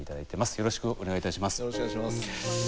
よろしくお願いします。